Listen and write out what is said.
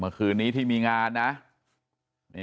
เมื่อคืนนี้ที่มีงานนะ